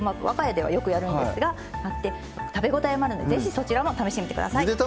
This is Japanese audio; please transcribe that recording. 我が家ではよくやるんですが食べ応えもあるので是非そちらも試してみてください。